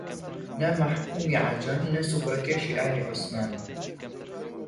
نە مەحکوومی عەجەم نە سوخرەکێشی ئالی عوسمان بوو